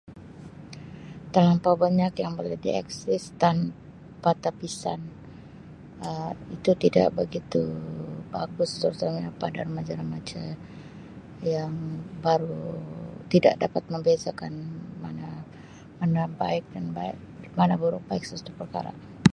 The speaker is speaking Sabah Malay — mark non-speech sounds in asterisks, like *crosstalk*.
Telampau banyak yang boleh di akses tanpa tapisan Um itu tidak begitu bagus *unintelligible* pada remaja-remaja yang baru tidak dapat membezakan mana mana baik dan baik mana buruk baik sesuatu perkara.